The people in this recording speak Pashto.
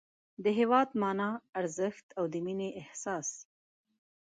د هېواد مانا، ارزښت او د مینې احساس